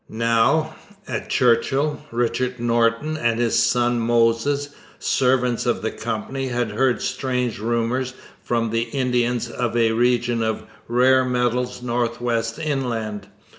Now, at Churchill, Richard Norton and his son Moses, servants of the Company, had heard strange rumours from the Indians of a region of rare metals north west inland.